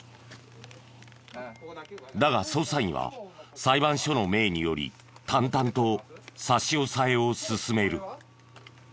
だが捜査員は裁判所の命により淡々と差し押さえを進める。